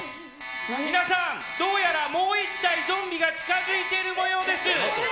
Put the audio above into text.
皆さん、どうやらもう１体ゾンビが近づいている模様です。